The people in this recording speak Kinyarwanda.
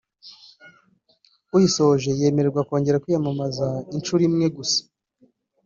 uyisoje yemererwa kongera kwiyamamaza inshuro imwe gusa